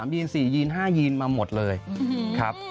ยีน๔ยีน๕ยีนมาหมดเลยครับ